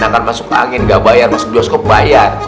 enak kan masuk angin gak bayar masuk bioskop bayar